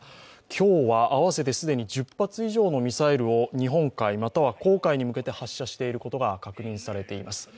今日は合わせて既に１０発以上のミサイルを日本海または黄海に向けて発射していることが確認されています。